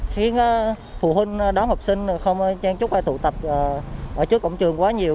khiến phụ huynh đón học sinh không trang trúc hay tụ tập ở trước cổng trường quá nhiều